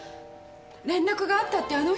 「連絡があった」ってあの人が。